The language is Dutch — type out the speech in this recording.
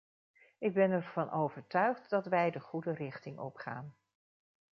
Ik ben ervan overtuigd dat wij de goede richting opgaan.